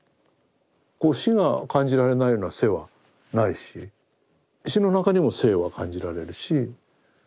死が感じられないような生はないし死の中にも生は感じられるし。